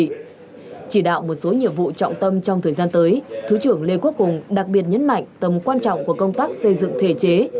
nghị quyết số một mươi hai của bộ chính trị thời gian qua được sự quan tâm chỉ đạo một số nhiệm vụ trọng tâm trong thời gian tới thứ trưởng lê quốc hùng đặc biệt nhấn mạnh tầm quan trọng của công tác xây dựng thể chế